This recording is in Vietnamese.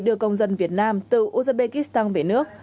đưa công dân việt nam từ uzbekistan về nước